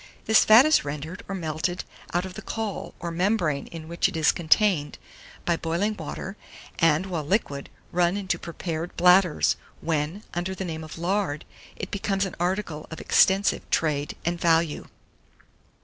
This fat is rendered, or melted out of the caul, or membrane in which it is contained, by boiling water, and, while liquid, run into prepared bladders, when, under the name of lard, it becomes an article of extensive trade and value.